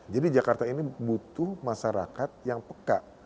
jadi jakarta ini butuh masyarakat yang peka